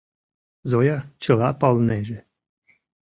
— Зоя чыла палынеже.